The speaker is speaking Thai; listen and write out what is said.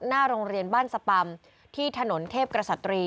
หน้าโรงเรียนบ้านสปำที่ถนนเทพกษัตรี